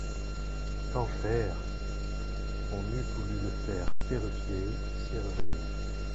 Qu'en faire ? On eût voulu le faire perruquier, serrurier.